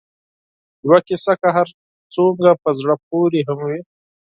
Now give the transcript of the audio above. یوه کیسه که هر څومره په زړه پورې هم وي